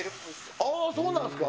あー、そうなんですか。